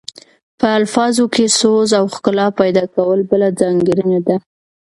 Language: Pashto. په الفاظو کې سوز او ښکلا پیدا کول بله ځانګړنه ده